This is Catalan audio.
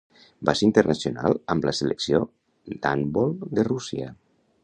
Va ser internacional amb la selecció d'handbol de Rússia.